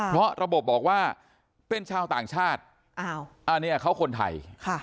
เพราะระบบบอกว่าเป็นชาวต่างชาติอันนี้เขาคนไทย